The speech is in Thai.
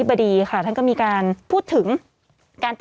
สิบเก้าชั่วโมงไปสิบเก้าชั่วโมงไป